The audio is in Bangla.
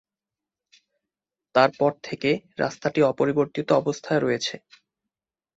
তারপর থেকে রাস্তাটি অপরিবর্তিত অবস্থায় রয়েছে।